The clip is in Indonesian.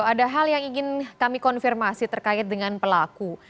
ada hal yang ingin kami konfirmasi terkait dengan pelaku